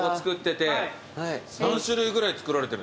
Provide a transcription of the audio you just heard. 何種類ぐらい作られてるんですか？